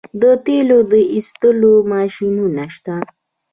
د تیلو د ایستلو ماشینونه شته.